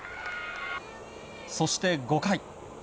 そして５回。